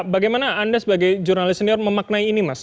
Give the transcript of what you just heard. bagaimana anda sebagai jurnalis senior memaknai ini mas